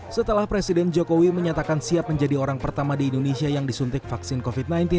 setelah presiden jokowi menyatakan siap menjadi orang pertama di indonesia yang disuntik vaksin covid sembilan belas